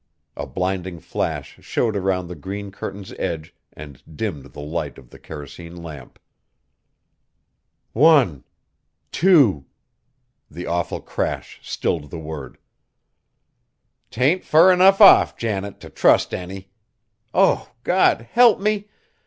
A blinding flash showed around the green curtain's edge and dimmed the light of the kerosene lamp. "One two." The awful crash stilled the word. "'T ain't fur enough off, Janet, to trust any! Oh! God help me!